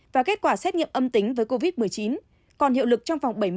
và kết quả xét nghiệm âm tính với covid một mươi chín còn hiệu lực trong phòng